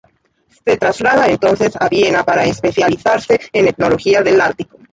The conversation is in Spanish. Se traslada entonces a Viena para especializarse en etnología del Ártico.